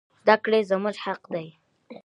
زدکړي زموږ حق دي